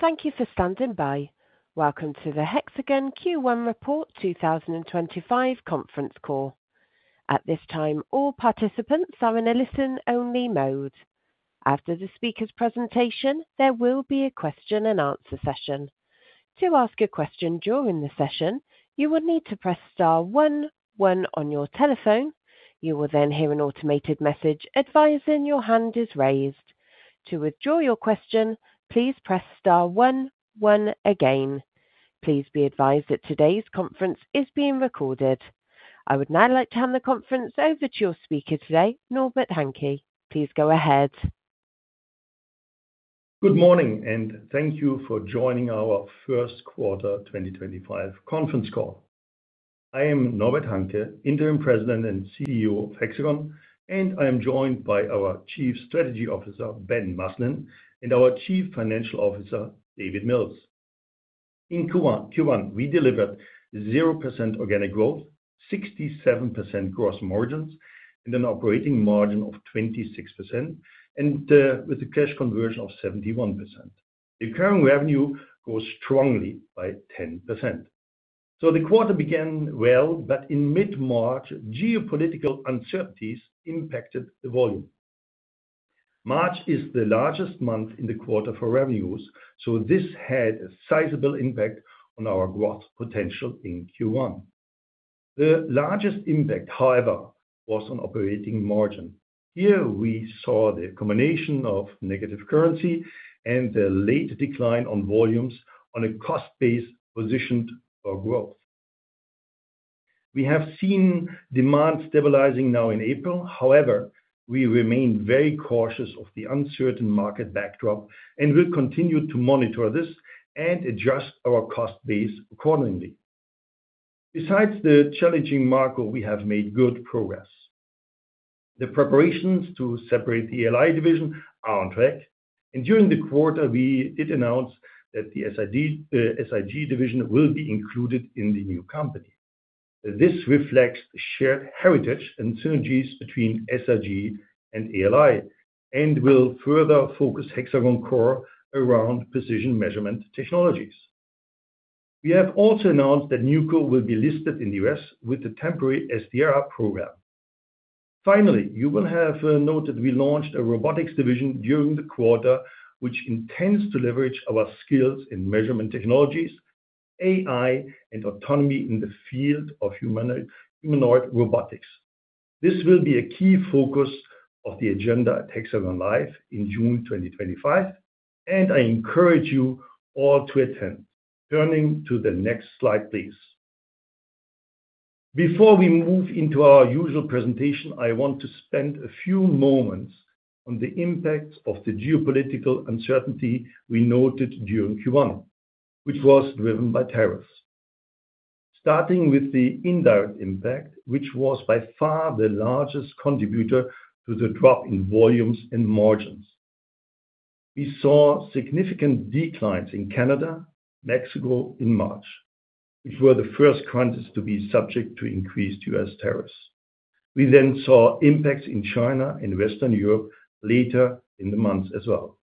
Thank you for standing by. Welcome to the Hexagon Q1 Report 2025 Conference Call. At this time, all participants are in a listen-only mode. After the speaker's presentation, there will be a question-and-answer session. To ask a question during the session, you will need to press star one, one on your telephone. You will then hear an automated message advising your hand is raised. To withdraw your question, please press star one, one again. Please be advised that today's conference is being recorded. I would now like to hand the conference over to your speaker today, Norbert Hanke. Please go ahead. Good morning, and thank you for joining our First Quarter 2025 Conference Call. I am Norbert Hanke, Interim President and CEO of Hexagon, and I am joined by our Chief Strategy Officer, Ben Maslen, and our Chief Financial Officer, David Mills. In Q1, we delivered 0% organic growth, 67% gross margins, and an operating margin of 26%, with a cash conversion of 71%. The current revenue grows strongly by 10%. The quarter began well, but in mid-March, geopolitical uncertainties impacted the volume. March is the largest month in the quarter for revenues, so this had a sizable impact on our growth potential in Q1. The largest impact, however, was on operating margin. Here we saw the combination of negative currency and the late decline on volumes on a cost-based position for growth. We have seen demand stabilizing now in April. However, we remain very cautious of the uncertain market backdrop and will continue to monitor this and adjust our cost base accordingly. Besides the challenging market, we have made good progress. The preparations to separate the ALI division are on track, and during the quarter, we did announce that the SIG division will be included in the new company. This reflects the shared heritage and synergies between SIG and ALI and will further focus Hexagon's core around precision measurement technologies. We have also announced that NewCo will be listed in the U.S. with the temporary SDR program. Finally, you will have noted we launched a robotics division during the quarter, which intends to leverage our skills in measurement technologies, AI, and autonomy in the field of humanoid robotics. This will be a key focus of the agenda at Hexagon Live in June 2025, and I encourage you all to attend. Turning to the next slide, please. Before we move into our usual presentation, I want to spend a few moments on the impacts of the geopolitical uncertainty we noted during Q1, which was driven by tariffs. Starting with the indirect impact, which was by far the largest contributor to the drop in volumes and margins. We saw significant declines in Canada and Mexico in March, which were the first countries to be subject to increased U.S. tariffs. We then saw impacts in China and Western Europe later in the month as well.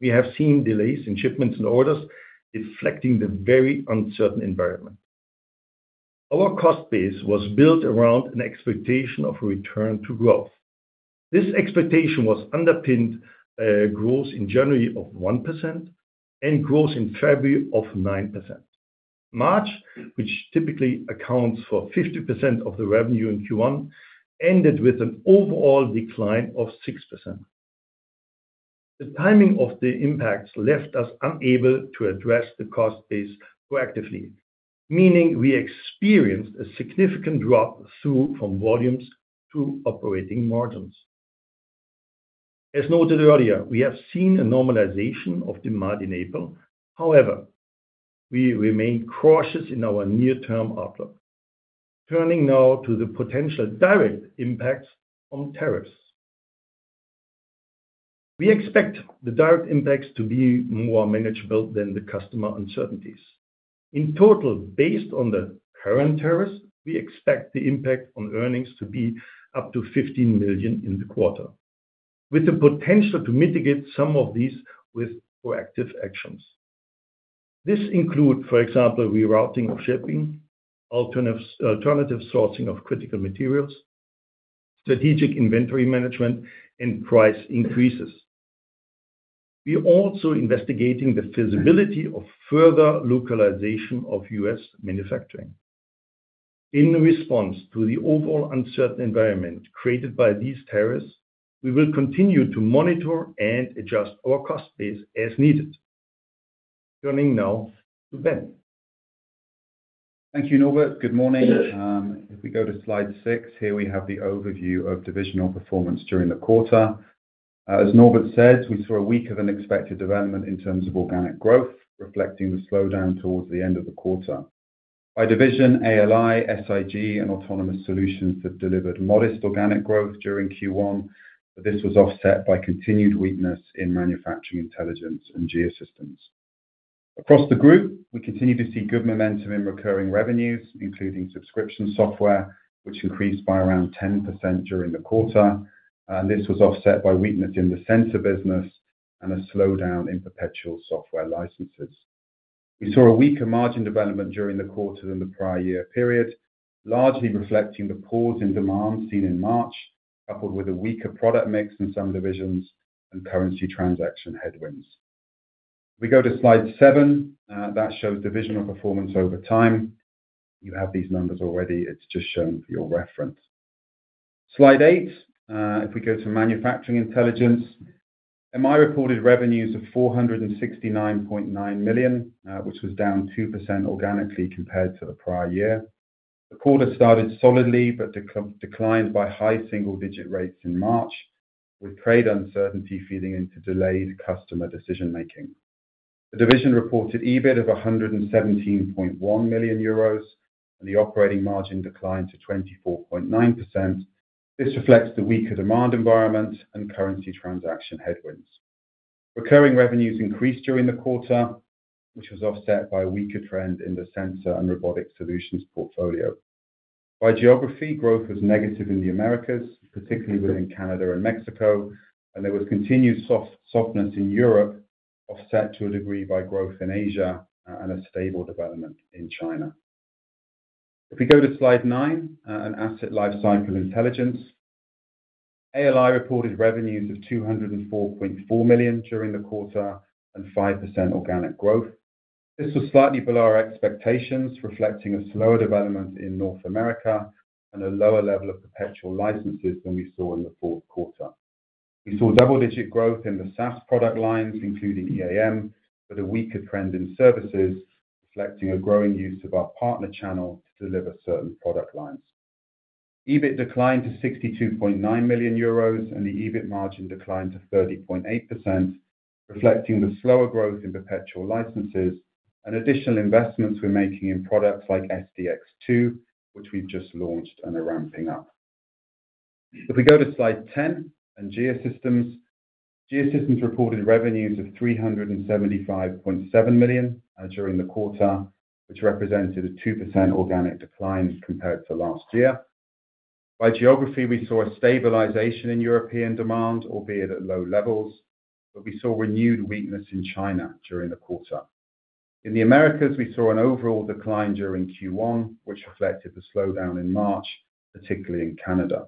We have seen delays in shipments and orders, reflecting the very uncertain environment. Our cost base was built around an expectation of a return to growth. This expectation was underpinned by growth in January of 1% and growth in February of 9%. March, which typically accounts for 50% of the revenue in Q1, ended with an overall decline of 6%. The timing of the impacts left us unable to address the cost base proactively, meaning we experienced a significant drop from volumes to operating margins. As noted earlier, we have seen a normalization of demand in April. However, we remain cautious in our near-term outlook. Turning now to the potential direct impacts on tariffs. We expect the direct impacts to be more manageable than the customer uncertainties. In total, based on the current tariffs, we expect the impact on earnings to be up to 15 million in the quarter, with the potential to mitigate some of these with proactive actions. This includes, for example, rerouting of shipping, alternative sourcing of critical materials, strategic inventory management, and price increases. We are also investigating the feasibility of further localization of US manufacturing. In response to the overall uncertain environment created by these tariffs, we will continue to monitor and adjust our cost base as needed. Turning now to Ben. Thank you, Norbert. Good morning. If we go to slide six, here we have the overview of divisional performance during the quarter. As Norbert said, we saw a weaker than expected development in terms of organic growth, reflecting the slowdown towards the end of the quarter. By division, ALI, SIG, and Autonomous Solutions have delivered modest organic growth during Q1, but this was offset by continued weakness in Manufacturing Intelligence and Geosystems. Across the group, we continue to see good momentum in recurring revenues, including subscription software, which increased by around 10% during the quarter. This was offset by weakness in the sensor business and a slowdown in perpetual software licenses. We saw a weaker margin development during the quarter than the prior year period, largely reflecting the pause in demand seen in March, coupled with a weaker product mix in some divisions and currency transaction headwinds. If we go to slide seven, that shows divisional performance over time. You have these numbers already. It's just shown for your reference. Slide eight, if we go to Manufacturing Intelligence, MI reported revenues of 469.9 million, which was down 2% organically compared to the prior year. The quarter started solidly but declined by high single-digit rates in March, with trade uncertainty feeding into delayed customer decision-making. The division reported EBIT of 117.1 million euros, and the operating margin declined to 24.9%. This reflects the weaker demand environment and currency transaction headwinds. Recurring revenues increased during the quarter, which was offset by a weaker trend in the sensor and robotic solutions portfolio. By geography, growth was negative in the Americas, particularly within Canada and Mexico, and there was continued softness in Europe, offset to a degree by growth in Asia and a stable development in China. If we go to slide nine, an Asset Lifecycle Intelligence, ALI reported revenues of 204.4 million during the quarter and 5% organic growth. This was slightly below our expectations, reflecting a slower development in North America and a lower level of perpetual licenses than we saw in the fourth quarter. We saw double-digit growth in the SaaS product lines, including EAM, but a weaker trend in services, reflecting a growing use of our partner channel to deliver certain product lines. EBIT declined to 62.9 million euros, and the EBIT margin declined to 30.8%, reflecting the slower growth in perpetual licenses and additional investments we're making in products like SDx2, which we've just launched and are ramping up. If we go to slide 10 and Geosystems, Geosystems reported revenues of 375.7 million during the quarter, which represented a 2% organic decline compared to last year. By geography, we saw a stabilization in European demand, albeit at low levels, but we saw renewed weakness in China during the quarter. In the Americas, we saw an overall decline during Q1, which reflected the slowdown in March, particularly in Canada.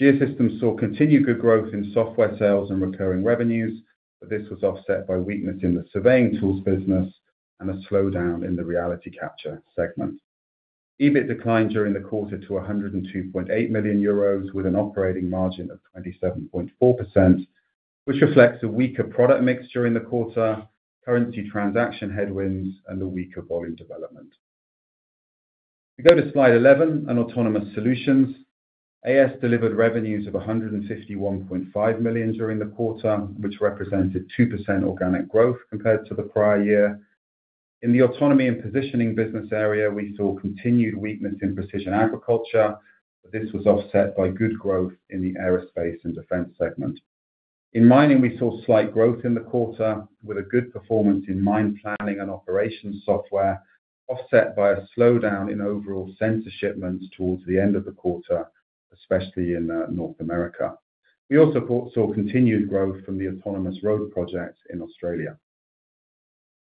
Geosystems saw continued good growth in software sales and recurring revenues, but this was offset by weakness in the surveying tools business and a slowdown in the reality capture segment. EBIT declined during the quarter to 102.8 million euros, with an operating margin of 27.4%, which reflects a weaker product mix during the quarter, currency transaction headwinds, and a weaker volume development. We go to slide 11 and Autonomous Solutions. AS delivered revenues of 151.5 million during the quarter, which represented 2% organic growth compared to the prior year. In the Autonomy and Positioning business area, we saw continued weakness in precision agriculture, but this was offset by good growth in the aerospace and defense segment. In mining, we saw slight growth in the quarter, with a good performance in mine planning and operations software, offset by a slowdown in overall sensor shipments towards the end of the quarter, especially in North America. We also saw continued growth from the autonomous road projects in Australia.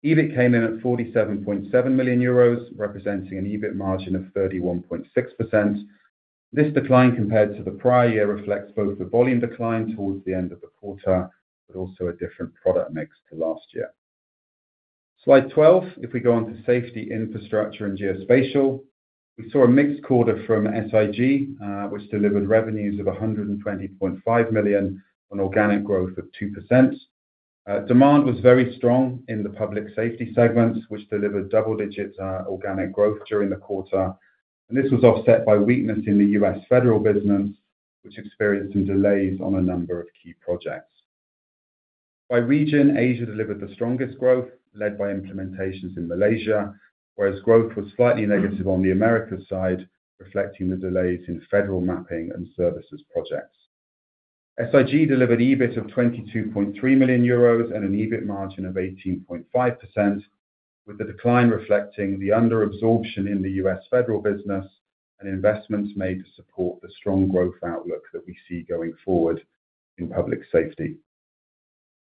EBIT came in at 47.7 million euros, representing an EBIT margin of 31.6%. This decline compared to the prior year reflects both the volume decline towards the end of the quarter, but also a different product mix to last year. Slide 12, if we go on to Safety, Infrastructure, and Geospatial, we saw a mixed quarter from SIG, which delivered revenues of 120.5 million on organic growth of 2%. Demand was very strong in the public safety segments, which delivered double-digit organic growth during the quarter, and this was offset by weakness in the U.S. federal business, which experienced some delays on a number of key projects. By region, Asia delivered the strongest growth, led by implementations in Malaysia, whereas growth was slightly negative on the Americas side, reflecting the delays in federal mapping and services projects. SIG delivered EBIT of 22.3 million euros and an EBIT margin of 18.5%, with the decline reflecting the under-absorption in the U.S. federal business and investments made to support the strong growth outlook that we see going forward in public safety.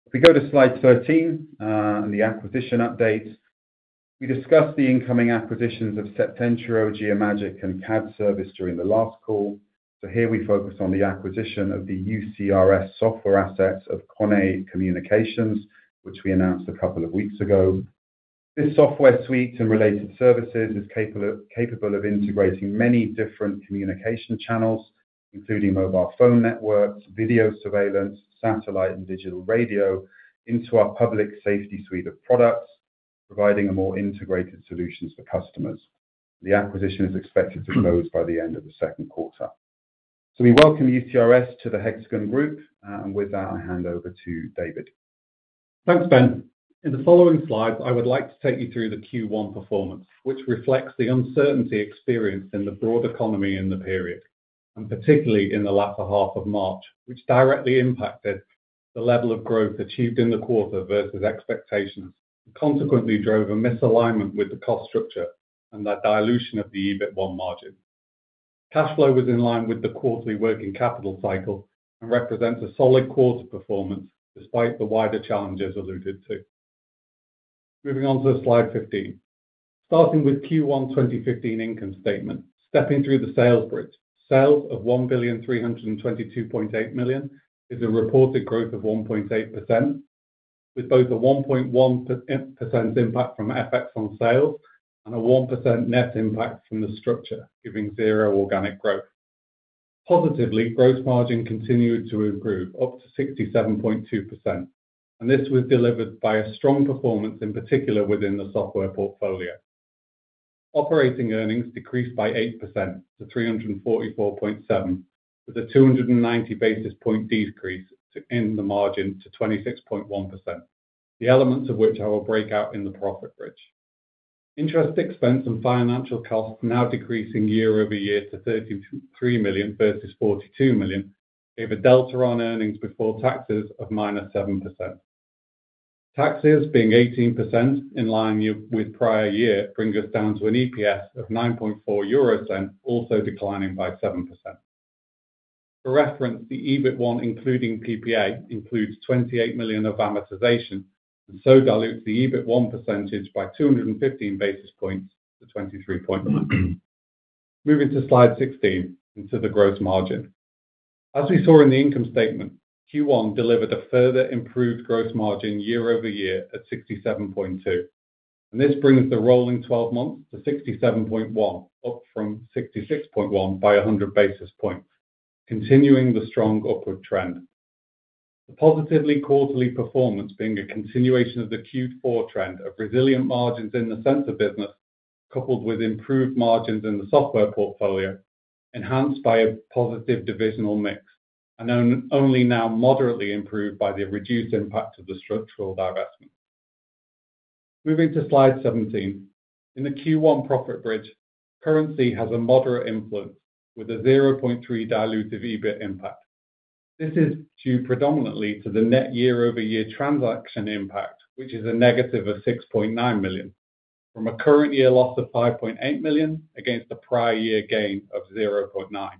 If we go to slide 13 and the acquisition updates, we discussed the incoming acquisitions of Septentrio, Geomagic, and CAD Service during the last call. Here we focus on the acquisition of the UCRS software assets of CONET Communications, which we announced a couple of weeks ago. This software suite and related services is capable of integrating many different communication channels, including mobile phone networks, video surveillance, satellite, and digital radio into our public safety suite of products, providing a more integrated solution for customers. The acquisition is expected to close by the end of the second quarter. We welcome UCRS to the Hexagon Group, and with that, I hand over to David. Thanks, Ben. In the following slides, I would like to take you through the Q1 performance, which reflects the uncertainty experienced in the broad economy in the period, and particularly in the latter half of March, which directly impacted the level of growth achieved in the quarter versus expectations, and consequently drove a misalignment with the cost structure and that dilution of the EBIT margin. Cash flow was in line with the quarterly working capital cycle and represents a solid quarter performance despite the wider challenges alluded to. Moving on to slide 15, starting with Q1 2024 income statement, stepping through the sales bridge. Sales of 1,322.8 million is a reported growth of 1.8%, with both a 1.1% impact from effects on sales and a 1% net impact from the structure, giving zero organic growth. Positively, gross margin continued to improve up to 67.2%, and this was delivered by a strong performance, in particular within the software portfolio. Operating earnings decreased by 8% to 344.7 million, with a 290 basis point decrease in the margin to 26.1%, the elements of which I will break out in the profit bridge. Interest expense and financial costs now decreasing year-over-year to 33 million versus 42 million, gave a delta on earnings before taxes of minus 7%. Taxes being 18% in line with prior year bring us down to an EPS of 0.0940, also declining by 7%. For reference, the EBIT1, including PPA, includes 28 million of amortization and so dilutes the EBIT1 percentage by 215 basis points to 23.9%. Moving to slide 16 into the gross margin. As we saw in the income statement, Q1 delivered a further improved gross margin year-over-year at 67.2%, and this brings the rolling 12 months to 67.1%, up from 66.1% by 100 basis points, continuing the strong upward trend. The positive quarterly performance being a continuation of the Q4 trend of resilient margins in the sensor business, coupled with improved margins in the software portfolio, enhanced by a positive divisional mix, and only now moderately improved by the reduced impact of the structural divestment. Moving to slide 17, in the Q1 profit bridge, currency has a moderate influence with a 0.3% dilutive EBIT impact. This is due predominantly to the net year-over-year transaction impact, which is a negative of 6.9 million, from a current year loss of 5.8 million against a prior year gain of 0.9 million,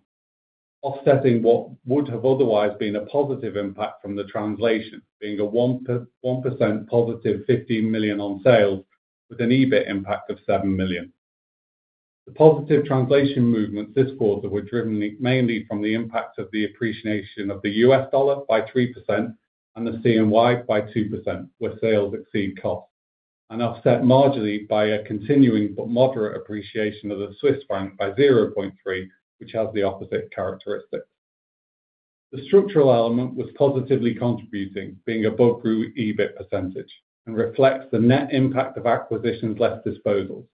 offsetting what would have otherwise been a positive impact from the translation, being a 1% positive 15 million on sales with an EBIT impact of 7 million. The positive translation movements this quarter were driven mainly from the impact of the appreciation of the U.S. dollar by 3% and the CNY by 2%, where sales exceed cost, and offset marginally by a continuing but moderate appreciation of the Swiss franc by 0.3%, which has the opposite characteristics. The structural element was positively contributing, being a bog-root EBIT percentage, and reflects the net impact of acquisitions less disposals.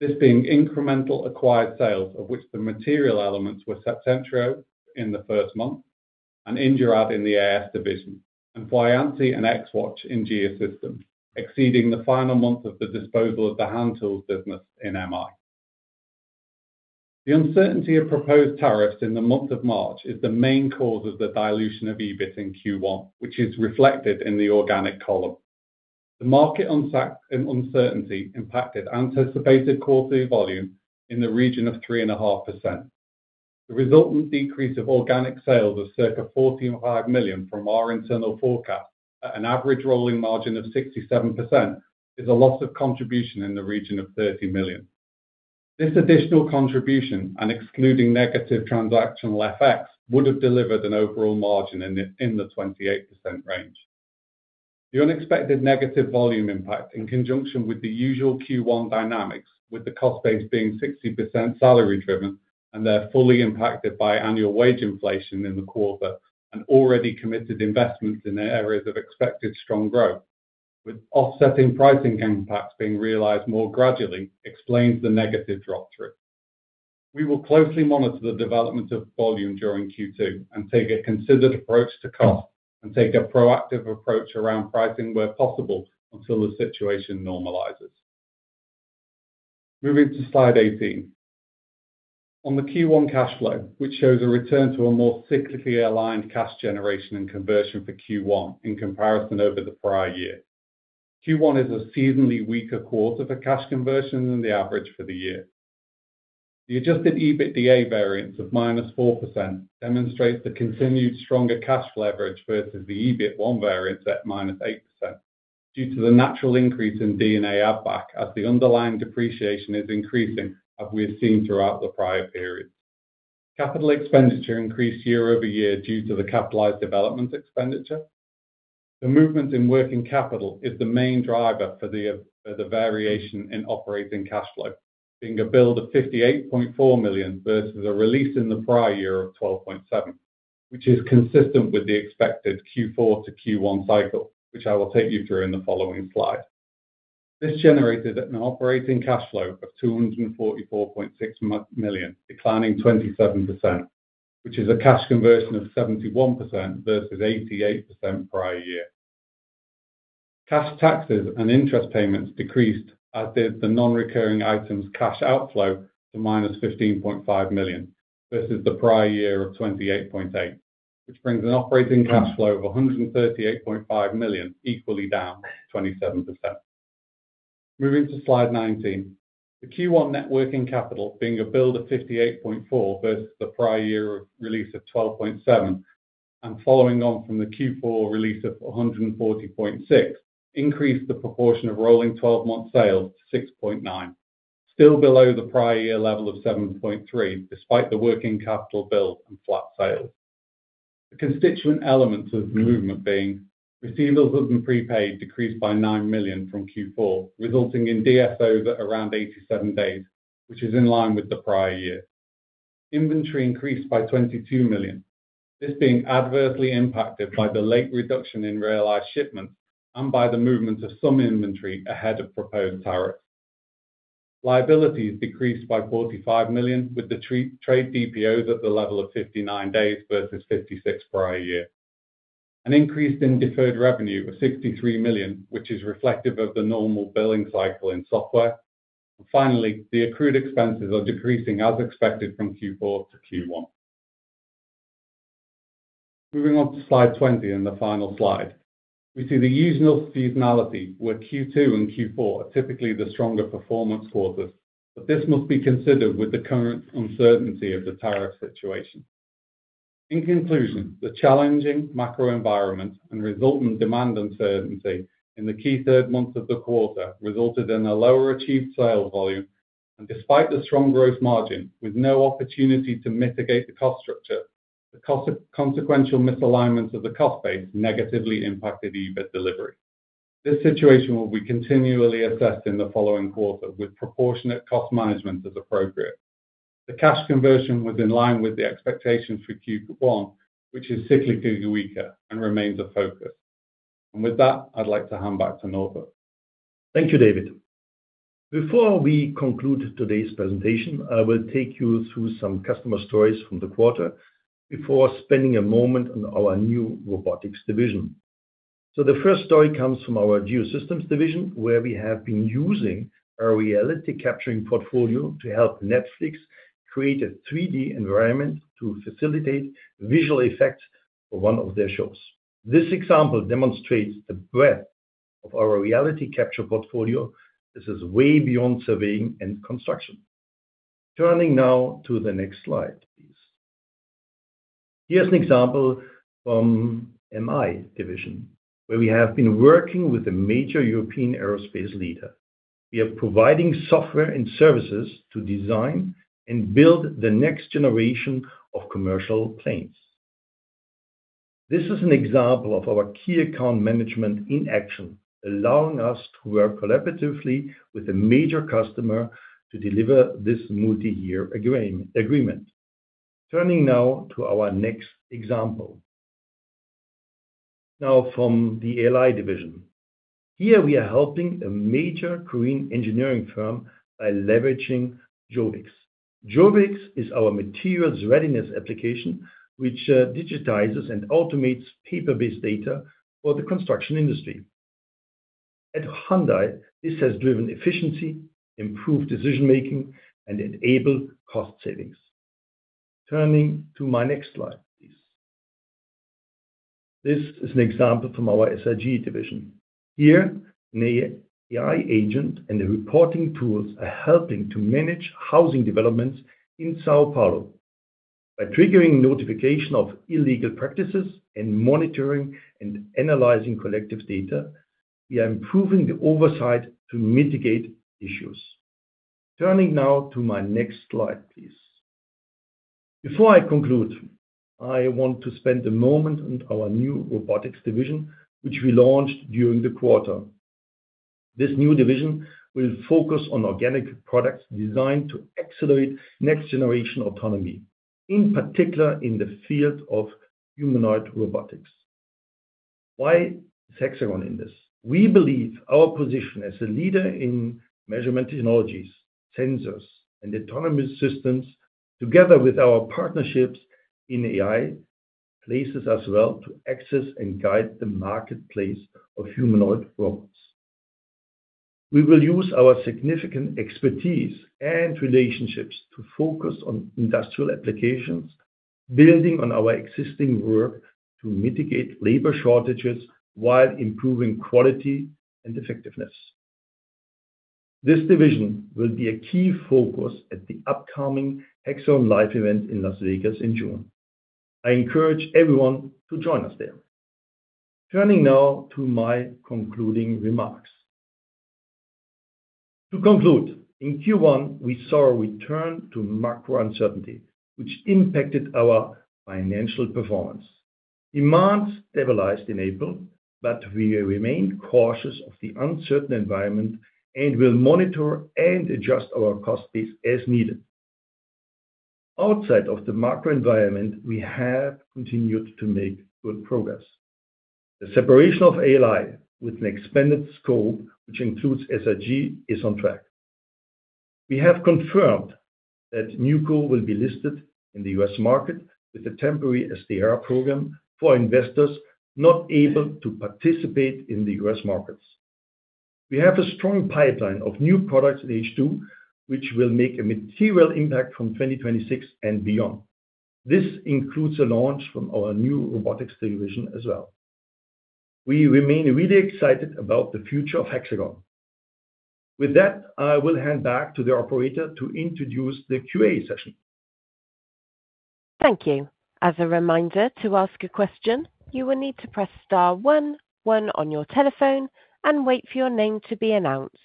This being incremental acquired sales, of which the material elements were Septentrio in the first month and indurad in the AS division, and Voyansi and Xwatch in Geosystems, exceeding the final month of the disposal of the hand tools business in MI. The uncertainty of proposed tariffs in the month of March is the main cause of the dilution of EBIT in Q1, which is reflected in the organic column. The market uncertainty impacted anticipated quarterly volume in the region of 3.5%. The resultant decrease of organic sales of circa 45 million from our internal forecast at an average rolling margin of 67% is a loss of contribution in the region of 30 million. This additional contribution, and excluding negative transactional FX, would have delivered an overall margin in the 28% range. The unexpected negative volume impact, in conjunction with the usual Q1 dynamics, with the cost base being 60% salary driven and therefore fully impacted by annual wage inflation in the quarter and already committed investments in areas of expected strong growth, with offsetting pricing impacts being realized more gradually, explains the negative drop-through. We will closely monitor the development of volume during Q2 and take a considered approach to cost and take a proactive approach around pricing where possible until the situation normalizes. Moving to slide 18. On the Q1 cash flow, which shows a return to a more cyclically aligned cash generation and conversion for Q1 in comparison over the prior year. Q1 is a seasonally weaker quarter for cash conversion than the average for the year. The adjusted EBITDA variance of minus 4% demonstrates the continued stronger cash leverage versus the EBIT1 variance at minus 8%, due to the natural increase in D&A add-back as the underlying depreciation is increasing, as we have seen throughout the prior periods. Capital expenditure increased year-over-year due to the capitalized development expenditure. The movement in working capital is the main driver for the variation in operating cash flow, being a build of 58.4 million versus a release in the prior year of 12.7 million, which is consistent with the expected Q4 to Q1 cycle, which I will take you through in the following slide. This generated an operating cash flow of 244.6 million, declining 27%, which is a cash conversion of 71% versus 88% prior year. Cash taxes and interest payments decreased, as did the non-recurring items cash outflow to -15.5 million versus the prior year of 28.8 million, which brings an operating cash flow of 138.5 million, equally down 27%. Moving to slide 19. The Q1 net working capital, being a build of 58.4 million versus the prior year release of 12.7 million, and following on from the Q4 release of 140.6 million, increased the proportion of rolling 12-month sales to 6.9%, still below the prior year level of 7.3%, despite the working capital build and flat sales. The constituent elements of the movement being receivables of the prepaid decreased by 9 million from Q4, resulting in DSOs at around 87 days, which is in line with the prior year. Inventory increased by 22 million, this being adversely impacted by the late reduction in realized shipments and by the movement of some inventory ahead of proposed tariffs. Liabilities decreased by 45 million, with the trade DPOs at the level of 59 days versus 56 prior year. An increase in deferred revenue of 63 million, which is reflective of the normal billing cycle in software. Finally, the accrued expenses are decreasing as expected from Q4 to Q1. Moving on to slide 20 and the final slide, we see the usual seasonality, where Q2 and Q4 are typically the stronger performance quarters, but this must be considered with the current uncertainty of the tariff situation. In conclusion, the challenging macro environment and resultant demand uncertainty in the key third months of the quarter resulted in a lower achieved sales volume, and despite the strong gross margin, with no opportunity to mitigate the cost structure, the consequential misalignment of the cost base negatively impacted EBIT delivery. This situation will be continually assessed in the following quarter, with proportionate cost management as appropriate. The cash conversion was in line with the expectations for Q1, which is cyclically weaker and remains a focus. With that, I'd like to hand back to Norbert. Thank you, David. Before we conclude today's presentation, I will take you through some customer stories from the quarter before spending a moment on our new robotics division. The first story comes from our Geosystems division, where we have been using our reality capture portfolio to help Netflix create a 3D environment to facilitate visual effects for one of their shows. This example demonstrates the breadth of our reality capture portfolio. This is way beyond surveying and construction. Turning now to the next slide, please. Here's an example from MI division, where we have been working with a major European aerospace leader. We are providing software and services to design and build the next generation of commercial planes. This is an example of our key account management in action, allowing us to work collaboratively with a major customer to deliver this multi-year agreement. Turning now to our next example. Now from the ALI division. Here we are helping a major Korean engineering firm by leveraging Jovix. Jovix is our materials readiness application, which digitizes and automates paper-based data for the construction industry. At Hyundai, this has driven efficiency, improved decision-making, and enabled cost savings. Turning to my next slide, please. This is an example from our SIG division. Here, an AI agent and the reporting tools are helping to manage housing developments in São Paulo. By triggering notification of illegal practices and monitoring and analyzing collective data, we are improving the oversight to mitigate issues. Turning now to my next slide, please. Before I conclude, I want to spend a moment on our new robotics division, which we launched during the quarter. This new division will focus on organic products designed to accelerate next-generation autonomy, in particular in the field of humanoid robotics. Why is Hexagon in this? We believe our position as a leader in measurement technologies, sensors, and autonomous systems, together with our partnerships in AI, places us well to access and guide the marketplace of humanoid robots. We will use our significant expertise and relationships to focus on industrial applications, building on our existing work to mitigate labor shortages while improving quality and effectiveness. This division will be a key focus at the upcoming Hexagon Live event in Las Vegas in June. I encourage everyone to join us there. Turning now to my concluding remarks. To conclude, in Q1, we saw a return to macro uncertainty, which impacted our financial performance. Demand stabilized in April, but we remained cautious of the uncertain environment and will monitor and adjust our cost base as needed. Outside of the macro environment, we have continued to make good progress. The separation of ALI with an expanded scope, which includes SIG, is on track. We have confirmed that NewCo will be listed in the U.S. market with a temporary SDR program for investors not able to participate in the US markets. We have a strong pipeline of new products in H2, which will make a material impact from 2026 and beyond. This includes a launch from our new robotics division as well. We remain really excited about the future of Hexagon. With that, I will hand back to the operator to introduce the Q&A session. Thank you. As a reminder, to ask a question, you will need to press star one, one on your telephone, and wait for your name to be announced.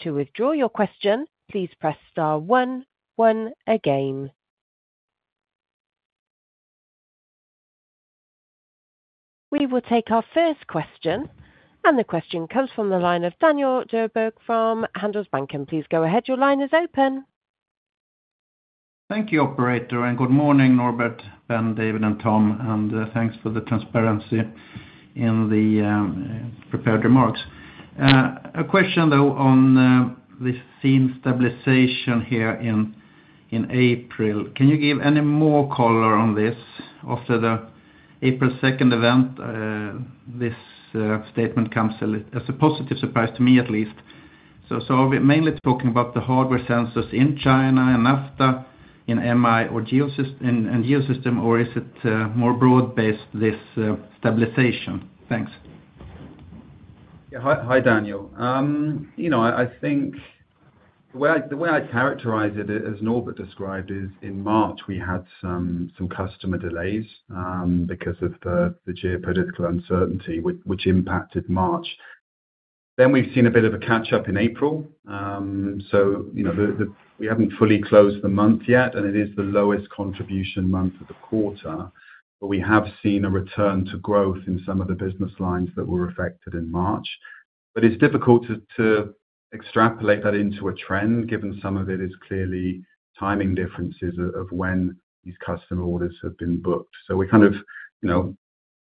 To withdraw your question, please press star one, one again. We will take our first question, and the question comes from the line of Daniel Djurberg from Handelsbanken. Please go ahead. Your line is open. Thank you, Operator, and good morning, Norbert, Ben, David, and Tom, and thanks for the transparency in the prepared remarks. A question, though, on the scene stabilization here in April. Can you give any more color on this? After the April 2nd event, this statement comes as a positive surprise to me, at least. Are we mainly talking about the hardware sensors in China and NAFTA in MI and Geosystem, or is it more broad-based, this stabilization? Thanks. Yeah, hi, Daniel. You know, I think the way I characterize it, as Norbert described, is in March, we had some customer delays because of the geopolitical uncertainty, which impacted March. We have seen a bit of a catch-up in April. We have not fully closed the month yet, and it is the lowest contribution month of the quarter, but we have seen a return to growth in some of the business lines that were affected in March. It is difficult to extrapolate that into a trend, given some of it is clearly timing differences of when these customer orders have been booked. We kind of, you know,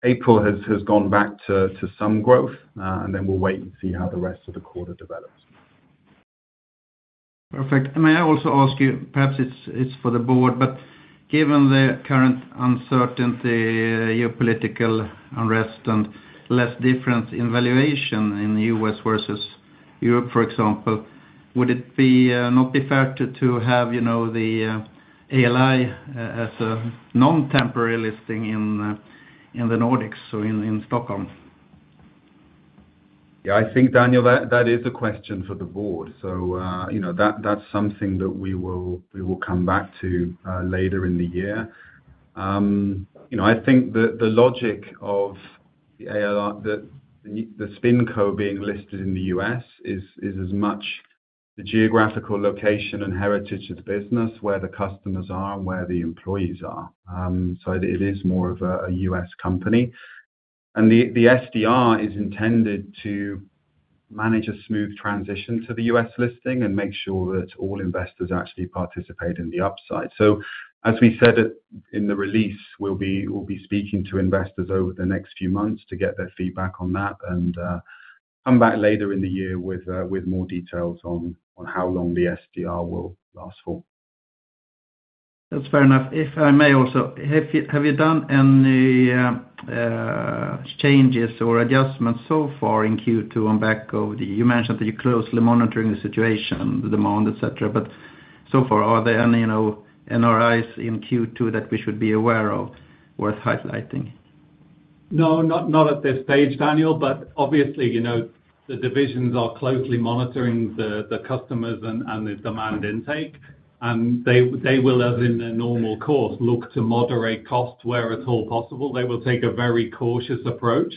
April has gone back to some growth, and then we will wait and see how the rest of the quarter develops. Perfect. May I also ask you, perhaps it's for the board, but given the current uncertainty, geopolitical unrest, and less difference in valuation in the U.S. versus Europe, for example, would it not be fair to have the ALI as a non-temporary listing in the Nordics, so in Stockholm? Yeah, I think, Daniel, that is a question for the board. That is something that we will come back to later in the year. You know, I think the logic of the NewCo being listed in the U.S. is as much the geographical location and heritage of the business, where the customers are and where the employees are. It is more of a U.S. company. The SDR is intended to manage a smooth transition to the U.S. listing and make sure that all investors actually participate in the upside. As we said in the release, we'll be speaking to investors over the next few months to get their feedback on that and come back later in the year with more details on how long the SDR will last for. That's fair enough. If I may also, have you done any changes or adjustments so far in Q2 on back of the, you mentioned that you're closely monitoring the situation, the demand, etc., but so far, are there any NRIs in Q2 that we should be aware of worth highlighting? No, not at this stage, Daniel, but obviously, you know, the divisions are closely monitoring the customers and the demand intake, and they will, as in a normal course, look to moderate costs where at all possible. They will take a very cautious approach,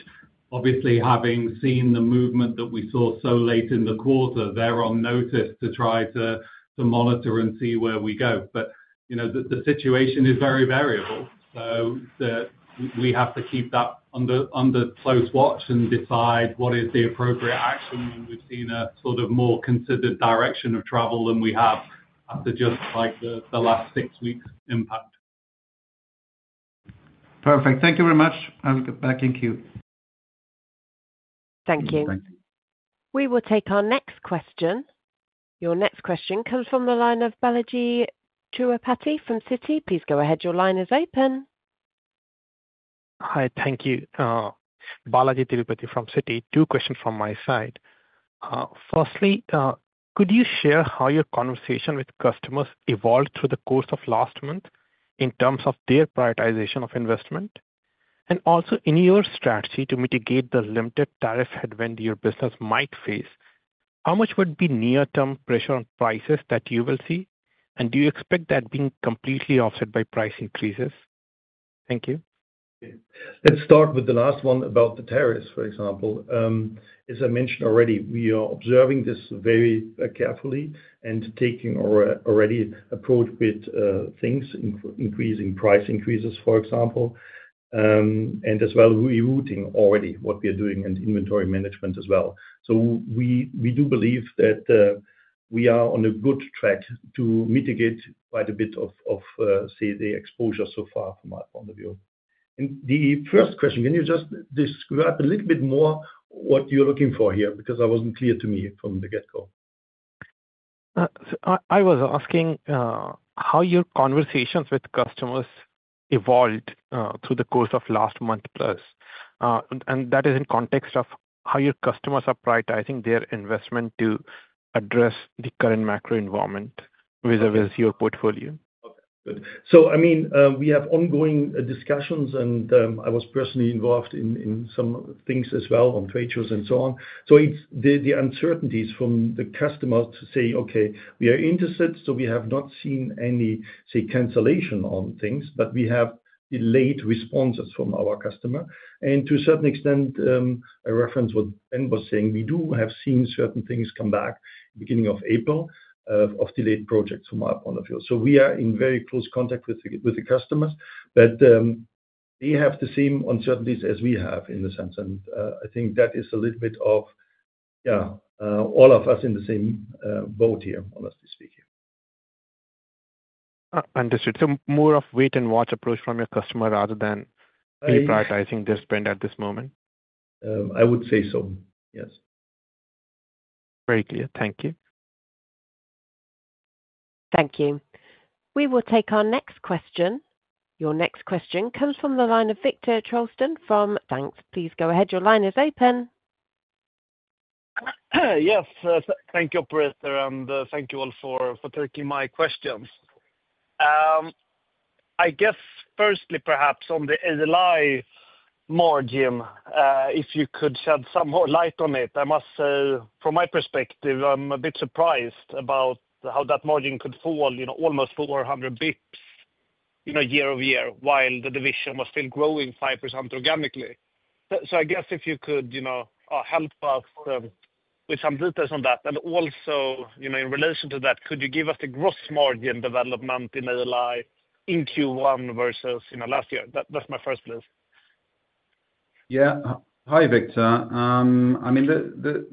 obviously having seen the movement that we saw so late in the quarter, they're on notice to try to monitor and see where we go. The situation is very variable, so we have to keep that under close watch and decide what is the appropriate action when we've seen a sort of more considered direction of travel than we have after just like the last six weeks' impact. Perfect. Thank you very much. I'll get back in Q. Thank you. Thank you. We will take our next question. Your next question comes from the line of Balajee Tirupati from Citi. Please go ahead. Your line is open. Hi, thank you. Balajee Tirupati from Citi. Two questions from my side. Firstly, could you share how your conversation with customers evolved through the course of last month in terms of their prioritization of investment? Also, in your strategy to mitigate the limited tariff headwind your business might face, how much would be near-term pressure on prices that you will see, and do you expect that being completely offset by price increases? Thank you. Let's start with the last one about the tariffs, for example. As I mentioned already, we are observing this very carefully and taking already approach with things, increasing price increases, for example, as well as rerouting already what we are doing and inventory management as well. We do believe that we are on a good track to mitigate quite a bit of the exposure so far from my point of view. The first question, can you just describe a little bit more what you're looking for here? Because that wasn't clear to me from the get-go. I was asking how your conversations with customers evolved through the course of last month plus, and that is in context of how your customers are prioritizing their investment to address the current macro environment with your portfolio. Okay, good. I mean, we have ongoing discussions, and I was personally involved in some things as well on trade shows and so on. It is the uncertainties from the customers to say, "Okay, we are interested," so we have not seen any, say, cancellation on things, but we have delayed responses from our customer. To a certain extent, I reference what Ben was saying, we do have seen certain things come back in the beginning of April of delayed projects from my point of view. We are in very close contact with the customers, but they have the same uncertainties as we have in the sense, and I think that is a little bit of, yeah, all of us in the same boat here, honestly speaking. Understood. So more of a wait-and-watch approach from your customer rather than prioritizing their spend at this moment? I would say so, yes. Very clear. Thank you. Thank you. We will take our next question. Your next question comes from the line of Viktor Trollsten from Danske. Thanks. Please go ahead. Your line is open. Yes, thank you, Operator, and thank you all for taking my questions. I guess, firstly, perhaps on the ALI margin, if you could shed some more light on it, I must say, from my perspective, I'm a bit surprised about how that margin could fall, you know, almost 400 basis points year-over-year while the division was still growing 5% organically. I guess if you could, you know, help us with some details on that. Also, you know, in relation to that, could you give us the gross margin development in ALI in Q1 versus last year? That's my first list. Yeah. Hi, Viktor. I mean,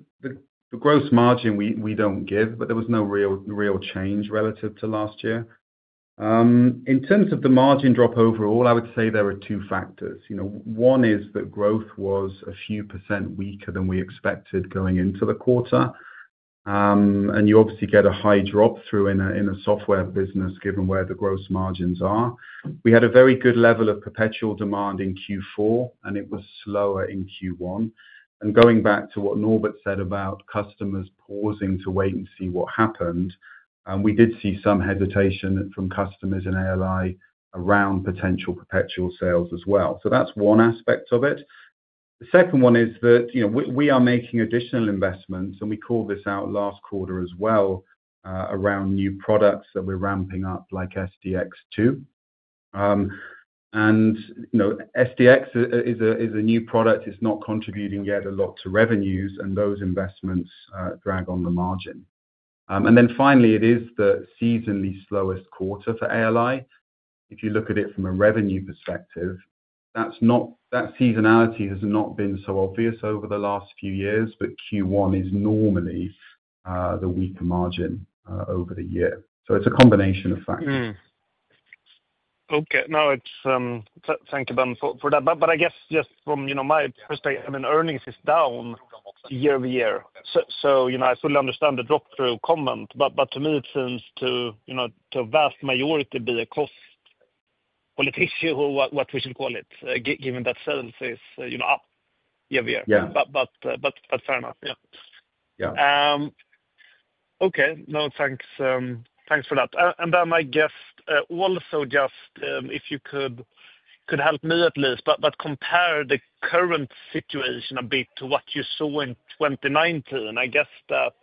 the gross margin we do not give, but there was no real change relative to last year. In terms of the margin drop overall, I would say there are two factors. You know, one is that growth was a few percent weaker than we expected going into the quarter, and you obviously get a high drop through in a software business given where the gross margins are. We had a very good level of perpetual demand in Q4, and it was slower in Q1. Going back to what Norbert said about customers pausing to wait and see what happened, we did see some hesitation from customers in ALI around potential perpetual sales as well. That is one aspect of it. The second one is that we are making additional investments, and we called this out last quarter as well around new products that we're ramping up like SDx2. And SDx is a new product. It's not contributing yet a lot to revenues, and those investments drag on the margin. Finally, it is the seasonally slowest quarter for ALI. If you look at it from a revenue perspective, that seasonality has not been so obvious over the last few years, but Q1 is normally the weaker margin over the year. It is a combination of factors. Okay. No, thank you, Ben, for that. I guess just from my perspective, I mean, earnings is down year-over-year. I fully understand the drop-through comment, but to me, it seems to a vast majority be a cost politic or what we should call it, given that sales is up year-over-year. Fair enough, yeah. Okay. No, thanks for that. I guess also just if you could help me at least compare the current situation a bit to what you saw in 2019. I guess that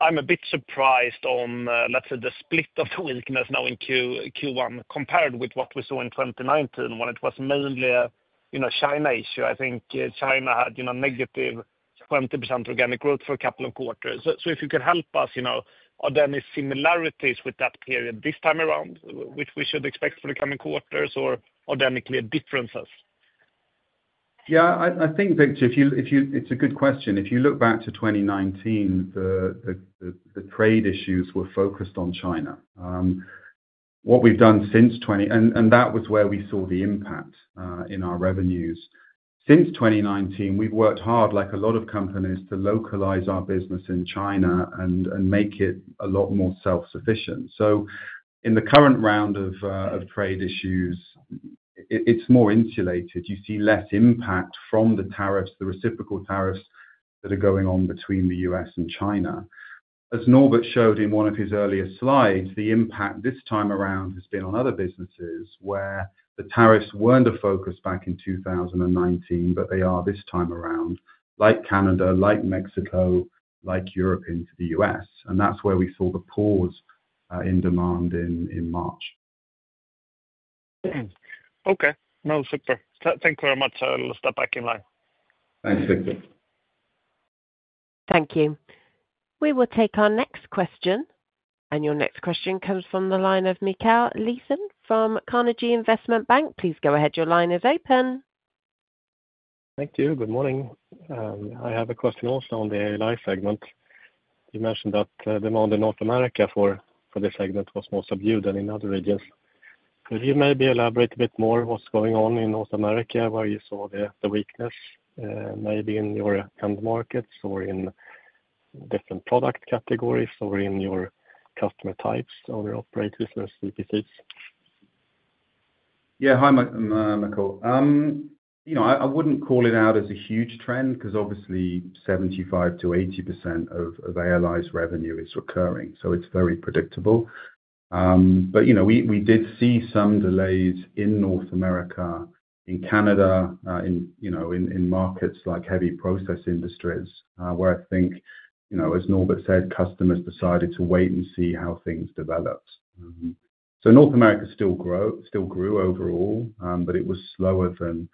I'm a bit surprised on, let's say, the split of the weakness now in Q1 compared with what we saw in 2019 when it was mainly a China issue. I think China had a negative 20% organic growth for a couple of quarters. If you could help us, are there any similarities with that period this time around which we should expect for the coming quarters or are there any clear differences? Yeah, I think, Viktor, it's a good question. If you look back to 2019, the trade issues were focused on China. What we've done since 2020, and that was where we saw the impact in our revenues. Since 2019, we've worked hard like a lot of companies to localize our business in China and make it a lot more self-sufficient. In the current round of trade issues, it's more insulated. You see less impact from the tariffs, the reciprocal tariffs that are going on between the US and China. As Norbert showed in one of his earlier slides, the impact this time around has been on other businesses where the tariffs weren't a focus back in 2019, but they are this time around, like Canada, like Mexico, like Europe into the US. That's where we saw the pause in demand in March. Okay. No, super. Thank you very much. I'll step back in line. Thanks, Viktor. Thank you. We will take our next question. Your next question comes from the line of Mikael Laséen from Carnegie Investment Bank. Please go ahead. Your line is open. Thank you. Good morning. I have a question also on the ALI segment. You mentioned that demand in North America for this segment was more subdued than in other regions. Could you maybe elaborate a bit more on what's going on in North America, where you saw the weakness, maybe in your end markets or in different product categories or in your customer types or operators or CPCs? Yeah, hi, Mikael. You know, I wouldn't call it out as a huge trend because obviously 75%-80% of ALI's revenue is recurring, so it's very predictable. But we did see some delays in North America, in Canada, in markets like heavy process industries, where I think, as Norbert said, customers decided to wait and see how things developed. North America still grew overall, but it was slower than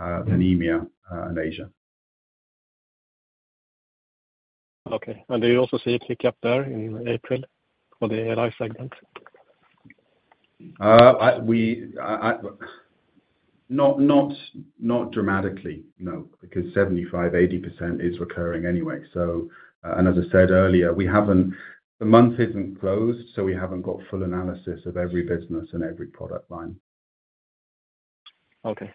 EMEA and Asia. Okay. Did you also see a tick up there in April for the ALI segment? Not dramatically, no, because 75%-80% is recurring anyway. As I said earlier, the month isn't closed, so we haven't got full analysis of every business and every product line. Okay.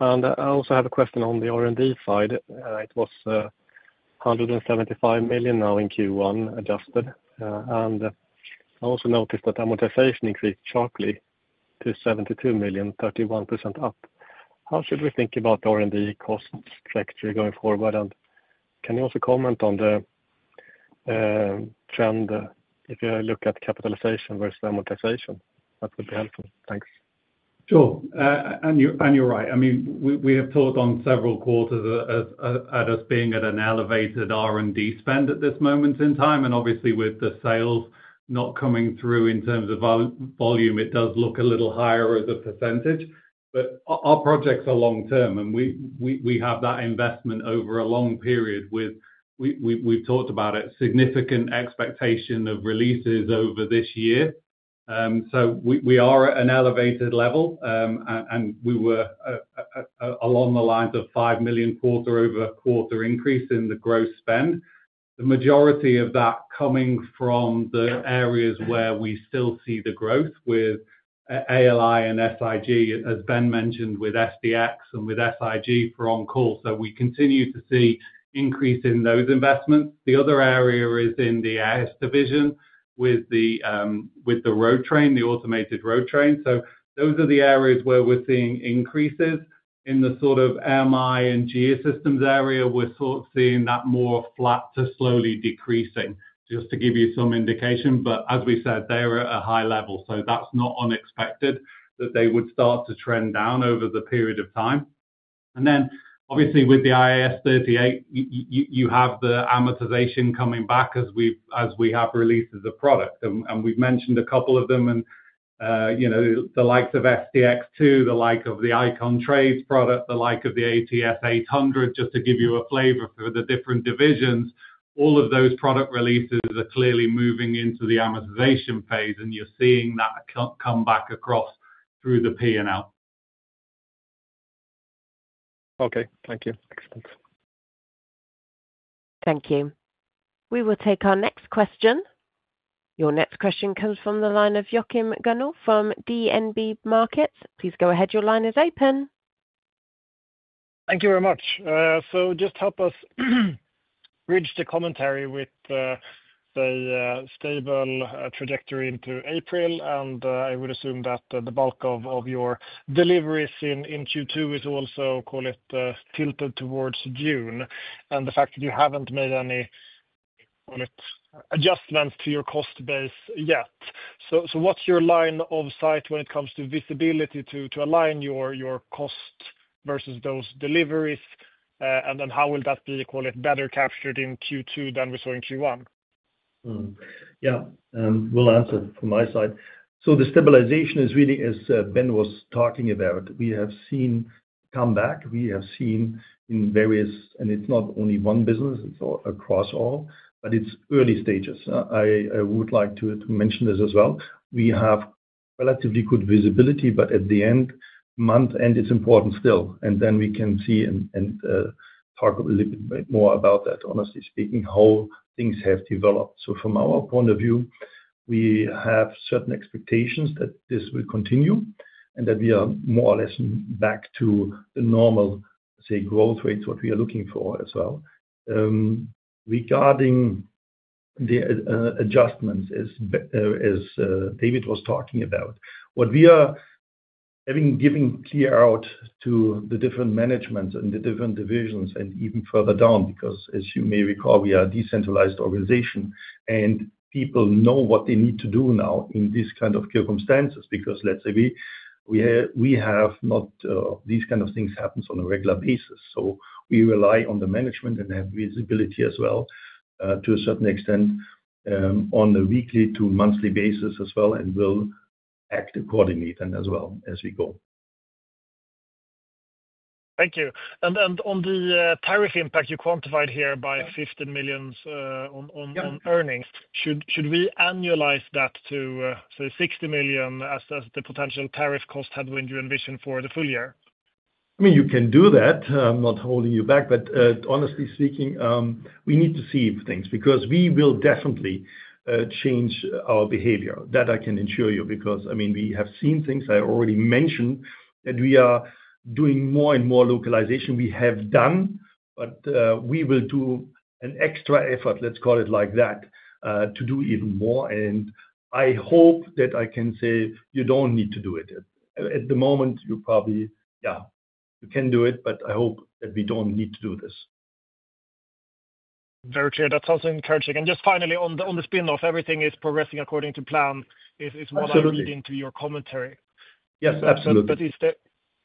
I also have a question on the R&D side. It was 175 million now in Q1 adjusted. I also noticed that amortization increased sharply to 72 million, 31% up. How should we think about the R&D costs trajectory going forward? Can you also comment on the trend if you look at capitalization versus amortization? That would be helpful. Thanks. Sure. You're right. I mean, we have thought on several quarters at us being at an elevated R&D spend at this moment in time. Obviously, with the sales not coming through in terms of volume, it does look a little higher as a percentage. Our projects are long-term, and we have that investment over a long period with, we've talked about it, significant expectation of releases over this year. We are at an elevated level, and we were along the lines of 5 million quarter-over-quarter increase in the gross spend. The majority of that coming from the areas where we still see the growth with ALI and SIG, as Ben Maslen mentioned, with SDx and with SIG for OnCall. We continue to see increase in those investments. The other area is in the AS division with the road train, the automated road train. Those are the areas where we're seeing increases. In the sort of MI and Geosystems area, we're sort of seeing that more flat to slowly decreasing, just to give you some indication. As we said, they're at a high level, so that's not unexpected that they would start to trend down over the period of time. Obviously, with the IAS 38, you have the amortization coming back as we have releases of products. We've mentioned a couple of them, and the likes of SDx2, the like of the iCON trades product, the like of the ATS800, just to give you a flavor for the different divisions. All of those product releases are clearly moving into the amortization phase, and you're seeing that come back across through the P&L. Okay. Thank you. Excellent. Thank you. We will take our next question. Your next question comes from the line of Joachim Gunell from DNB Markets. Please go ahead. Your line is open. Thank you very much. Just help us bridge the commentary with the stable trajectory into April. I would assume that the bulk of your deliveries in Q2 is also, call it, tilted towards June, and the fact that you have not made any adjustments to your cost base yet. What is your line of sight when it comes to visibility to align your cost versus those deliveries? How will that be, call it, better captured in Q2 than we saw in Q1? Yeah. We'll answer from my side. The stabilization is really, as Ben was talking about, we have seen come back. We have seen in various, and it's not only one business, it's across all, but it's early stages. I would like to mention this as well. We have relatively good visibility, but at the end month, and it's important still. We can see and talk a little bit more about that, honestly speaking, how things have developed. From our point of view, we have certain expectations that this will continue and that we are more or less back to the normal, say, growth rates, what we are looking for as well. Regarding the adjustments, as David was talking about, what we are having given clear out to the different managements and the different divisions and even further down, because as you may recall, we are a decentralized organization, and people know what they need to do now in these kinds of circumstances because, let's say, we have not these kinds of things happen on a regular basis. We rely on the management and have visibility as well to a certain extent on a weekly to monthly basis as well, and we'll act accordingly then as well as we go. Thank you. On the tariff impact, you quantified here by 15 million on earnings. Should we annualize that to, say, 60 million as the potential tariff cost headwind you envision for the full year? I mean, you can do that. I'm not holding you back. Honestly speaking, we need to see things because we will definitely change our behavior. That I can ensure you because, I mean, we have seen things. I already mentioned that we are doing more and more localization. We have done, but we will do an extra effort, let's call it like that, to do even more. I hope that I can say you don't need to do it. At the moment, you probably, yeah, you can do it, but I hope that we don't need to do this. Very clear. That sounds encouraging. Just finally, on the spin-off, everything is progressing according to plan is what I'm reading to your commentary. Yes, absolutely.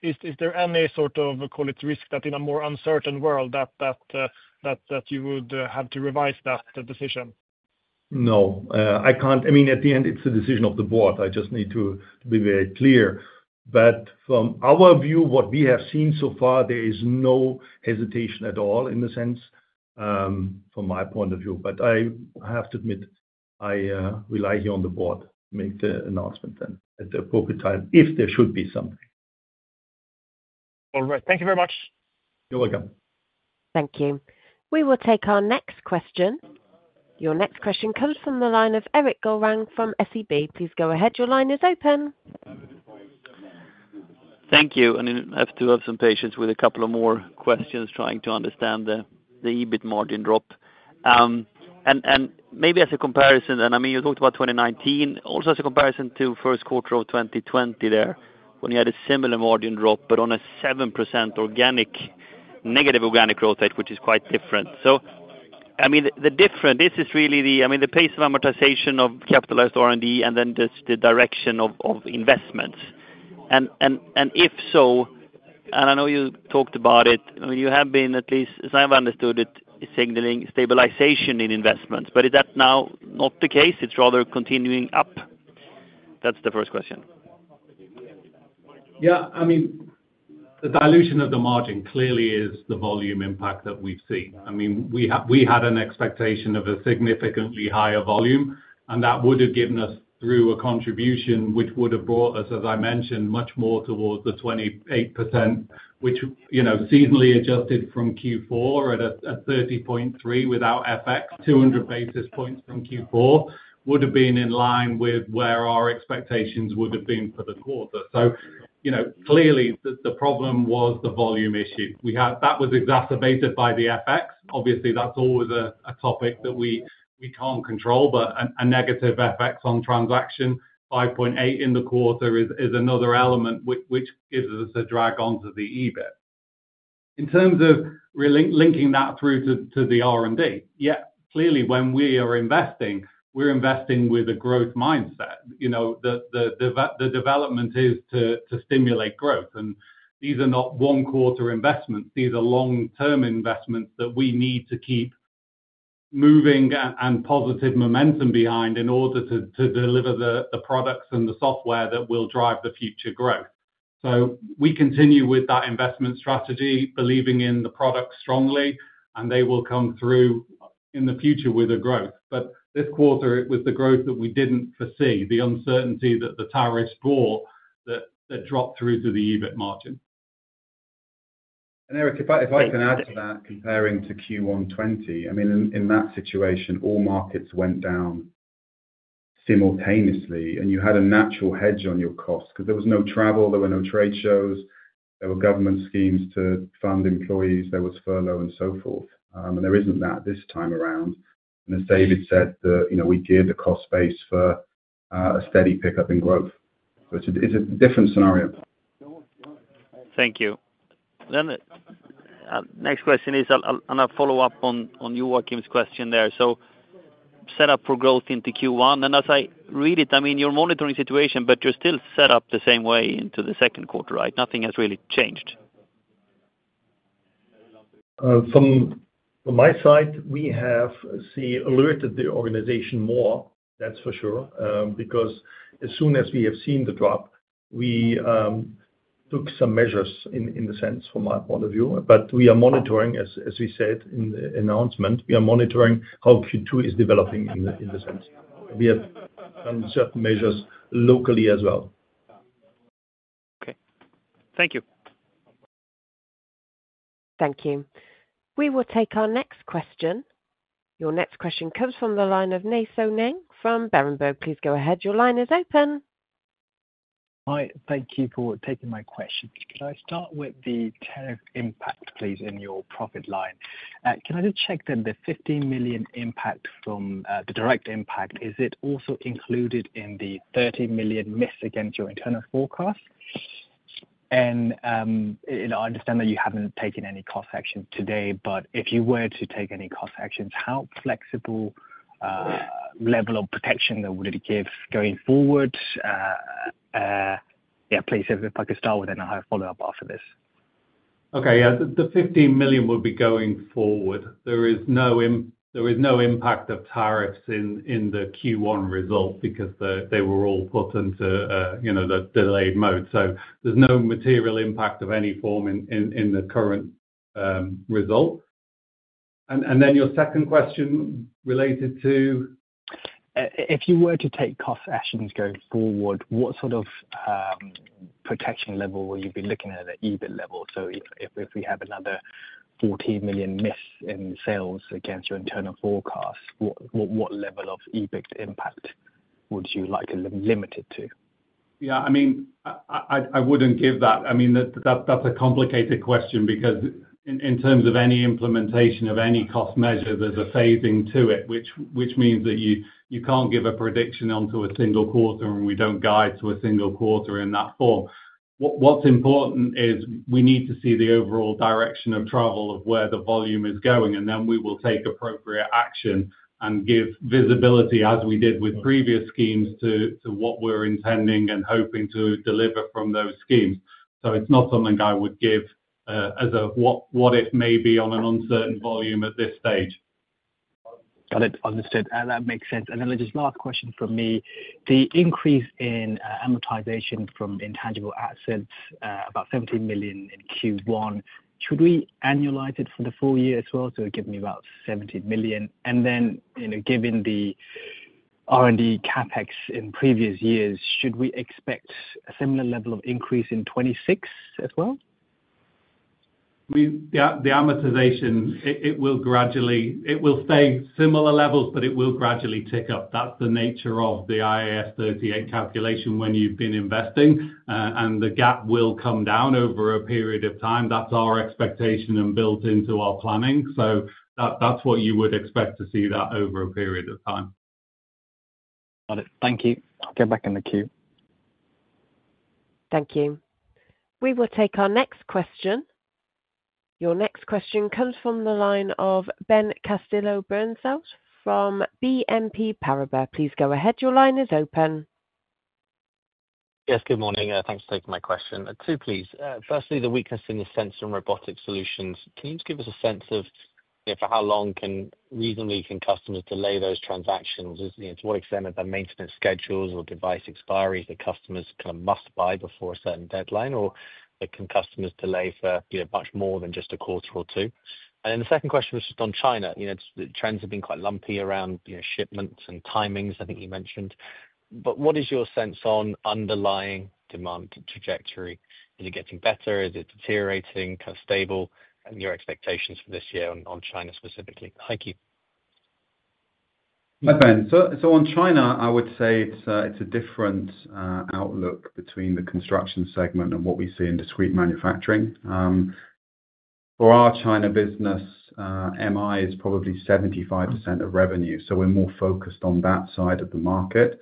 Is there any sort of, call it, risk that in a more uncertain world that you would have to revise that decision? No. I mean, at the end, it's a decision of the board. I just need to be very clear. From our view, what we have seen so far, there is no hesitation at all in the sense from my point of view. I have to admit, I rely here on the board to make the announcement at the appropriate time if there should be something. All right. Thank you very much. You're welcome. Thank you. We will take our next question. Your next question comes from the line of Erik Pettersson-Golrang from SEB. Please go ahead. Your line is open. Thank you. I have to have some patience with a couple of more questions trying to understand the EBIT margin drop. Maybe as a comparison, I mean, you talked about 2019, also as a comparison to first quarter of 2020 there when you had a similar margin drop, but on a 7% negative organic growth rate, which is quite different. I mean, the difference, this is really the, I mean, the pace of amortization of capitalized R&D and then the direction of investments. If so, and I know you talked about it, I mean, you have been at least, as I've understood it, signaling stabilization in investments. Is that now not the case? It's rather continuing up? That's the first question. Yeah. I mean, the dilution of the margin clearly is the volume impact that we've seen. I mean, we had an expectation of a significantly higher volume, and that would have given us through a contribution which would have brought us, as I mentioned, much more towards the 28%, which seasonally adjusted from Q4 at a 30.3% without FX, 200 basis points from Q4 would have been in line with where our expectations would have been for the quarter. Clearly, the problem was the volume issue. That was exacerbated by the FX. Obviously, that's always a topic that we can't control, but a negative FX on transaction, 5.8 in the quarter is another element which gives us a drag onto the EBIT in terms of linking that through to the R&D. Yet, clearly, when we are investing, we're investing with a growth mindset. The development is to stimulate growth. These are not one-quarter investments. These are long-term investments that we need to keep moving and positive momentum behind in order to deliver the products and the software that will drive the future growth. We continue with that investment strategy, believing in the products strongly, and they will come through in the future with a growth. This quarter, it was the growth that we did not foresee, the uncertainty that the tariffs brought that dropped through to the EBIT margin. If I can add to that, comparing to Q1 2020, I mean, in that situation, all markets went down simultaneously, and you had a natural hedge on your costs because there was no travel, there were no trade shows, there were government schemes to fund employees, there was furlough, and so forth. There is not that this time around. As David said, we geared the cost base for a steady pickup in growth. It is a different scenario. Thank you. The next question is, and I'll follow up on Joachim's question there. Set up for growth into Q1. As I read it, I mean, you're monitoring the situation, but you're still set up the same way into the second quarter, right? Nothing has really changed. From my side, we have alerted the organization more, that's for sure, because as soon as we have seen the drop, we took some measures in the sense from my point of view. We are monitoring, as we said in the announcement, we are monitoring how Q2 is developing in the sense. We have done certain measures locally as well. Okay. Thank you. Thank you. We will take our next question. Your next question comes from the line of Nay Soe Naing from Berenberg. Please go ahead. Your line is open. Hi. Thank you for taking my question. Can I start with the tariff impact, please, in your profit line? Can I just check then the 15 million impact from the direct impact, is it also included in the 30 million miss against your internal forecast? I understand that you haven't taken any cost action today, but if you were to take any cost actions, how flexible a level of protection would it give going forward? Please, if I could start with that, and I'll follow up after this. Okay. Yeah. The 15 million will be going forward. There is no impact of tariffs in the Q1 result because they were all put into the delayed mode. There is no material impact of any form in the current result. Your second question related to. If you were to take cost actions going forward, what sort of protection level will you be looking at at EBIT level? If we have another 14 million miss in sales against your internal forecast, what level of EBIT impact would you like limited to? Yeah. I mean, I wouldn't give that. I mean, that's a complicated question because in terms of any implementation of any cost measure, there's a phasing to it, which means that you can't give a prediction onto a single quarter, and we don't guide to a single quarter in that form. What's important is we need to see the overall direction of travel of where the volume is going, and then we will take appropriate action and give visibility as we did with previous schemes to what we're intending and hoping to deliver from those schemes. It's not something I would give as a what if maybe on an uncertain volume at this stage. Got it. Understood. That makes sense. Just last question from me. The increase in amortization from intangible assets, about 17 million in Q1, should we annualize it for the full year as well? It would give me about 17 million. Given the R&D CapEx in previous years, should we expect a similar level of increase in 2026 as well? The amortization, it will stay similar levels, but it will gradually tick up. That is the nature of the IAS 38 calculation when you have been investing, and the gap will come down over a period of time. That is our expectation and built into our planning. That is what you would expect to see that over a period of time. Got it. Thank you. I'll get back in the queue. Thank you. We will take our next question. Your next question comes from the line of Ben Castillo-Bernaus from BNP Paribas. Please go ahead. Your line is open. Yes. Good morning. Thanks for taking my question. Two, please. Firstly, the weakness in the sense from robotic solutions. Can you just give us a sense of for how long can reasonably can customers delay those transactions? To what extent are the maintenance schedules or device expiries that customers kind of must buy before a certain deadline, or can customers delay for much more than just a quarter or two? The second question was just on China. Trends have been quite lumpy around shipments and timings, I think you mentioned. What is your sense on underlying demand trajectory? Is it getting better? Is it deteriorating, kind of stable, and your expectations for this year on China specifically? Thank you. My friend. On China, I would say it's a different outlook between the construction segment and what we see in discrete manufacturing. For our China business, MI is probably 75% of revenue. We are more focused on that side of the market.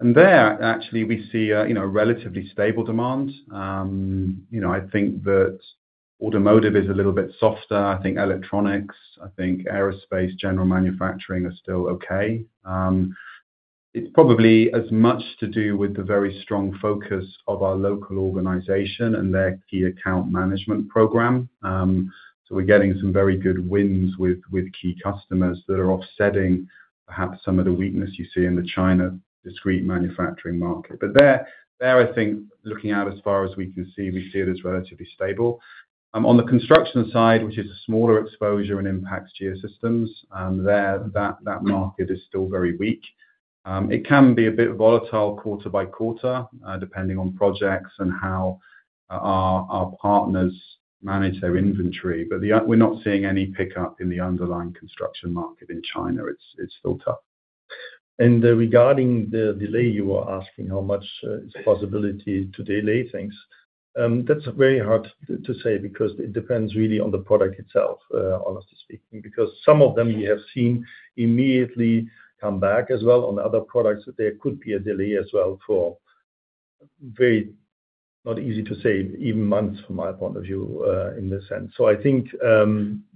There, actually, we see a relatively stable demand. I think that automotive is a little bit softer. I think electronics, I think aerospace, general manufacturing are still okay. It's probably as much to do with the very strong focus of our local organization and their key account management program. We are getting some very good wins with key customers that are offsetting perhaps some of the weakness you see in the China discrete manufacturing market. There, I think, looking out as far as we can see, we see it as relatively stable. On the construction side, which is a smaller exposure and impacts Geosystems, that market is still very weak. It can be a bit volatile quarter by quarter depending on projects and how our partners manage their inventory. We are not seeing any pickup in the underlying construction market in China. It is still tough. Regarding the delay, you were asking how much is the possibility to delay things. That's very hard to say because it depends really on the product itself, honestly speaking, because some of them we have seen immediately come back as well. On other products, there could be a delay as well for very not easy to say, even months from my point of view in the sense. I think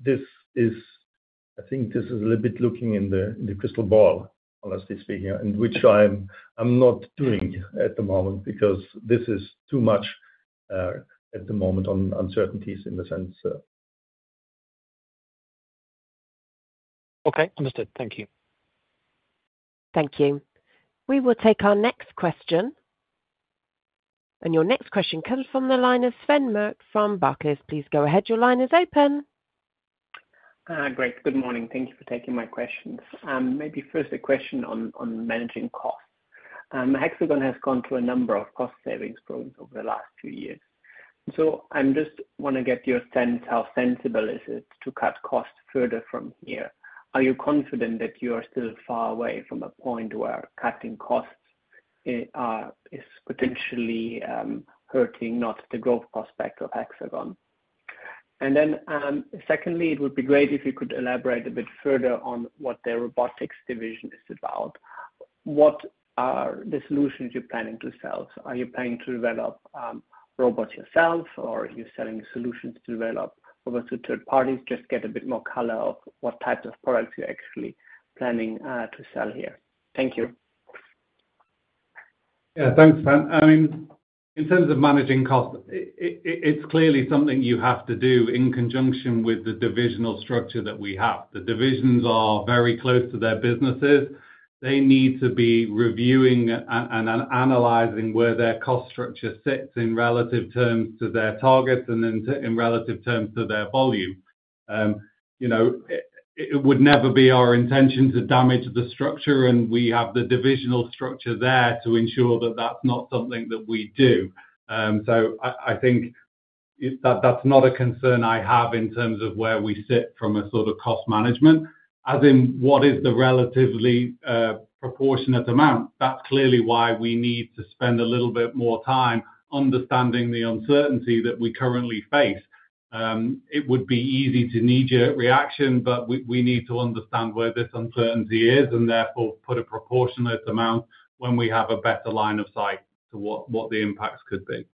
this is a little bit looking in the crystal ball, honestly speaking, which I'm not doing at the moment because this is too much at the moment on uncertainties in the sense. Okay. Understood. Thank you. Thank you. We will take our next question. Your next question comes from the line of Sven Denis Merkt from Barclays. Please go ahead. Your line is open. Great. Good morning. Thank you for taking my questions. Maybe first a question on managing costs. Hexagon has gone through a number of cost savings programs over the last few years. I just want to get your sense how sensible is it to cut costs further from here? Are you confident that you are still far away from a point where cutting costs is potentially hurting not the growth prospect of Hexagon? It would be great if you could elaborate a bit further on what their robotics division is about. What are the solutions you're planning to sell? Are you planning to develop robots yourself, or are you selling solutions to develop robots to third parties? Just get a bit more color of what types of products you're actually planning to sell here. Thank you. Yeah. Thanks, Pat. I mean, in terms of managing costs, it's clearly something you have to do in conjunction with the divisional structure that we have. The divisions are very close to their businesses. They need to be reviewing and analyzing where their cost structure sits in relative terms to their targets and then in relative terms to their volume. It would never be our intention to damage the structure, and we have the divisional structure there to ensure that that's not something that we do. I think that's not a concern I have in terms of where we sit from a sort of cost management. As in what is the relatively proportionate amount? That's clearly why we need to spend a little bit more time understanding the uncertainty that we currently face. It would be easy to knee-jerk reaction, but we need to understand where this uncertainty is and therefore put a proportionate amount when we have a better line of sight to what the impacts could be.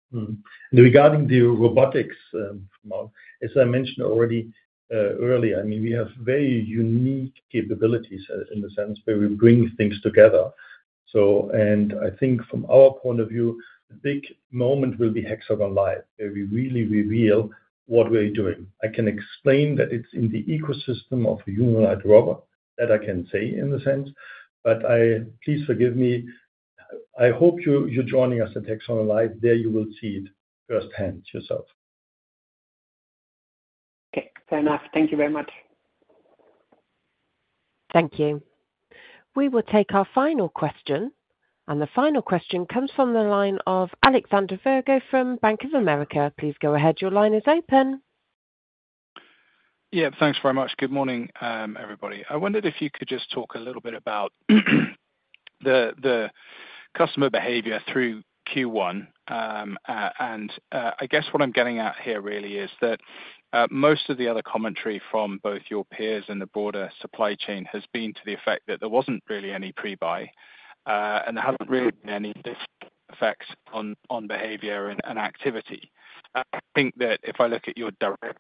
Regarding the robotics from our, as I mentioned already earlier, I mean, we have very unique capabilities in the sense where we bring things together. I think from our point of view, the big moment will be Hexagon Live where we really reveal what we're doing. I can explain that it's in the ecosystem of a human-like robot, that I can say in the sense, but please forgive me. I hope you're joining us at Hexagon Live. There you will see it firsthand yourself. Okay. Fair enough. Thank you very much. Thank you. We will take our final question. The final question comes from the line of Alexander Virgo from Bank of America. Please go ahead. Your line is open. Yeah. Thanks very much. Good morning, everybody. I wondered if you could just talk a little bit about the customer behavior through Q1. I guess what I'm getting at here really is that most of the other commentary from both your peers and the broader supply chain has been to the effect that there wasn't really any pre-buy, and there hasn't really been any effects on behavior and activity. I think that if I look at your direct,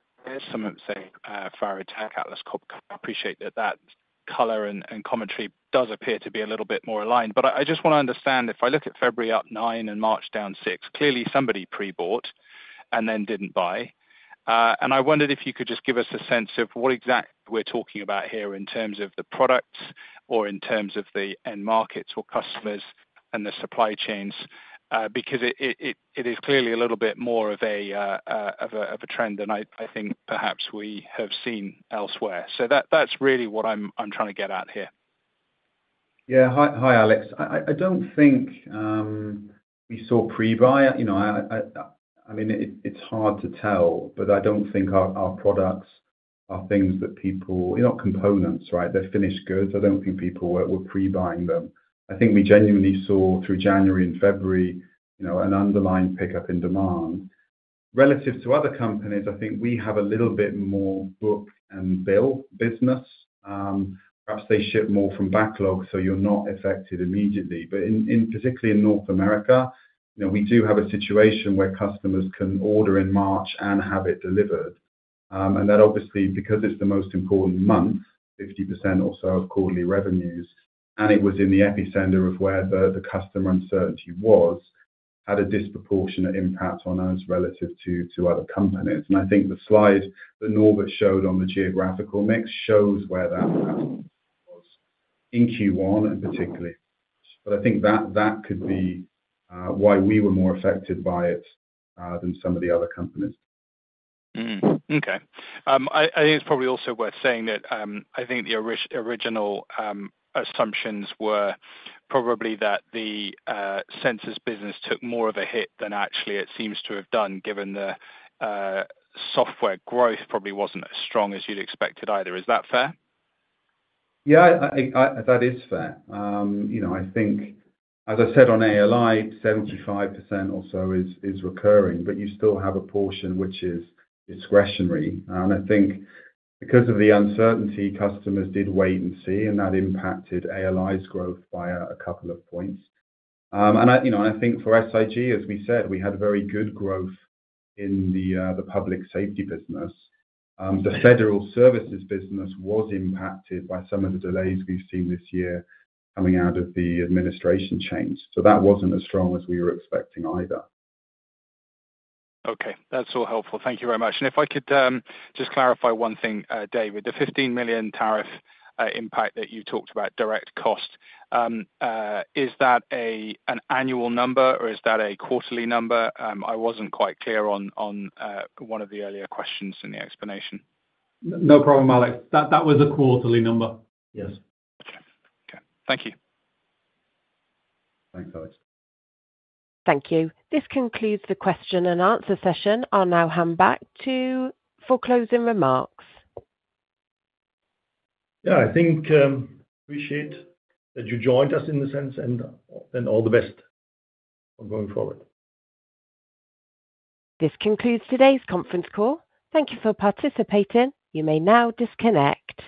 someone saying, I appreciate that that color and commentary does appear to be a little bit more aligned. I just want to understand if I look at February up 9 and March down 6, clearly somebody pre-bought and then didn't buy. I wondered if you could just give us a sense of what exactly we're talking about here in terms of the products or in terms of the end markets for customers and the supply chains because it is clearly a little bit more of a trend than I think perhaps we have seen elsewhere. That is really what I'm trying to get at here. Yeah. Hi, Alex. I don't think we saw pre-buy. I mean, it's hard to tell, but I don't think our products are things that people components, right? They're finished goods. I don't think people were pre-buying them. I think we genuinely saw through January and February an underlying pickup in demand. Relative to other companies, I think we have a little bit more book and bill business. Perhaps they ship more from backlog, so you're not affected immediately. Particularly in North America, we do have a situation where customers can order in March and have it delivered. That obviously, because it's the most important month, 50% or so of quarterly revenues, and it was in the epicenter of where the customer uncertainty was, had a disproportionate impact on us relative to other companies. I think the slide that Norbert showed on the geographical mix shows where that was in Q1 and particularly. I think that could be why we were more affected by it than some of the other companies. Okay. I think it's probably also worth saying that I think the original assumptions were probably that the sensors business took more of a hit than actually it seems to have done given the software growth probably wasn't as strong as you'd expected either. Is that fair? Yeah. That is fair. I think, as I said on ALI, 75% or so is recurring, but you still have a portion which is discretionary. I think because of the uncertainty, customers did wait and see, and that impacted ALI's growth by a couple of points. I think for SIG, as we said, we had very good growth in the public safety business. The federal services business was impacted by some of the delays we have seen this year coming out of the administration change. That was not as strong as we were expecting either. Okay. That's all helpful. Thank you very much. If I could just clarify one thing, David, the 15 million tariff impact that you talked about, direct cost, is that an annual number or is that a quarterly number? I wasn't quite clear on one of the earlier questions in the explanation. No problem, Alex. That was a quarterly number. Yes. Okay. Okay. Thank you. Thanks, Alex. Thank you. This concludes the question and answer session. I'll now hand back to for closing remarks. Yeah. I think I appreciate that you joined us in the sense, and all the best on going forward. This concludes today's conference call. Thank you for participating. You may now disconnect.